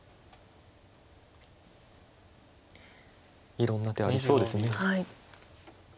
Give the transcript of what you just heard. いろんな手ありそうです。